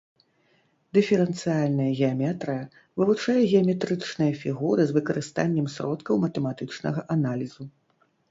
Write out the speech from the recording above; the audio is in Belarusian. Дыферэнцыяльная геаметрыя вывучае геаметрычныя фігуры з выкарыстаннем сродкаў матэматычнага аналізу.